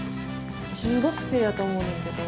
中学生やと思うねんけど。